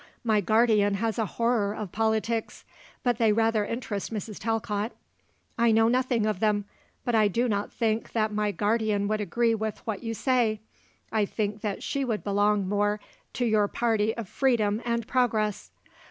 My guardian has a horror of politics; but they rather interest Mrs. Talcott. I know nothing of them; but I do not think that my guardian would agree with what you say; I think that she would belong more to your party of freedom and progress.